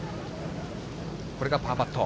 これがパーパット。